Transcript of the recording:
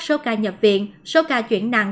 số ca nhập viện số ca chuyển nặng